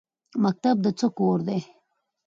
مکتب د څه کور دی؟